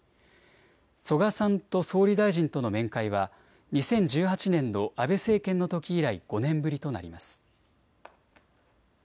曽我さんと総理大臣との面会は２０１８年の安倍政権のとき以来、５年ぶりとなります。